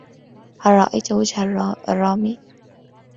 هل رأيت وجه الرامي؟